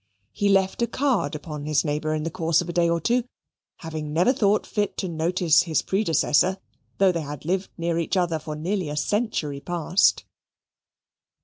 He left a card upon his neighbour in the course of a day or two, having never thought fit to notice his predecessor, though they had lived near each other for near a century past.